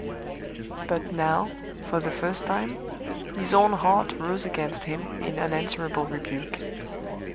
But now, for the first time, his own heart rose against him in unanswerable rebuke.